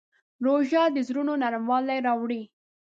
روژه د زړونو نرموالی راوړي.